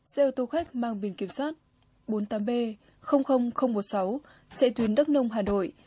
xe ô tô khách mang biển kiểm soát bốn mươi tám b một mươi sáu chạy tuyến đắk nông hà nội